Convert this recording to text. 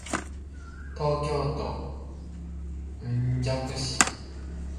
東京都雲雀市